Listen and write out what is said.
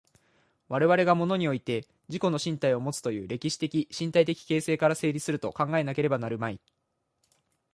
我々が物において自己の身体をもつという歴史的身体的形成から成立すると考えなければなるまい。